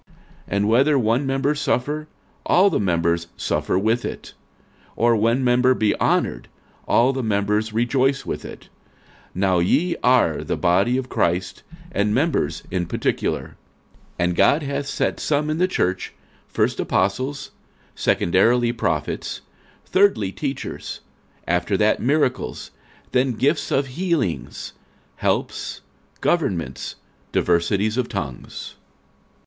46:012:026 And whether one member suffer, all the members suffer with it; or one member be honoured, all the members rejoice with it. 46:012:027 Now ye are the body of Christ, and members in particular. 46:012:028 And God hath set some in the church, first apostles, secondarily prophets, thirdly teachers, after that miracles, then gifts of healings, helps, governments, diversities of tongues.